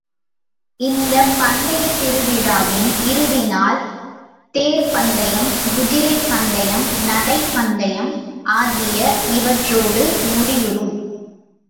இந்தப் பந்தயத் திருவிழாவின் இறுதி நாள், தேர்ப்பந்தயம், குதிரைப் பந்தயம், நடைப் பந்தயம் ஆகிய இவற்றோடு முடிவுறும்.